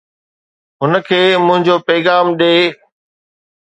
هن کي منهنجو پيغام ڏي